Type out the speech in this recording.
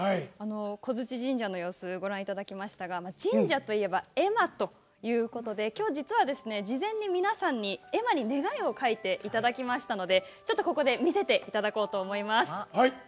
小鎚神社の様子ご覧いただきましたが神社といえば絵馬ということできょう、実は事前に皆さんに絵馬に願いを書いていただきましたのでここで見せていただこうと思います。